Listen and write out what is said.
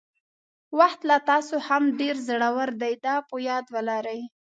وخت له تاسو هم ډېر زړور دی دا په یاد ولرئ.